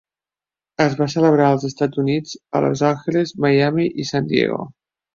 Es va celebrar als Estats Units, a Los Angeles, Miami i San Diego.